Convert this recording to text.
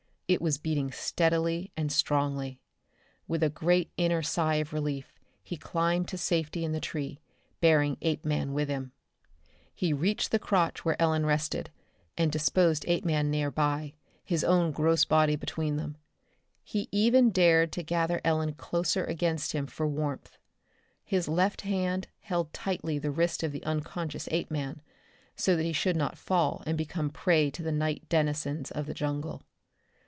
It was beating steadily and strongly. With a great inner sigh of relief he climbed to safety in the tree, bearing Apeman with him. He reached the crotch where Ellen rested, and disposed Apeman nearby, his own gross body between them. He even dared to gather Ellen closer against him for warmth. His left hand held tightly the wrist of the unconscious Apeman, so that he should not fall and become prey of the night denizens of the jungle.